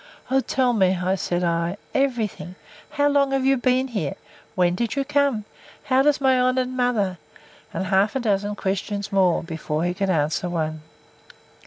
—O tell me, said I, every thing! How long have you been here? When did you come? How does my honoured mother? And half a dozen questions more, before he could answer one.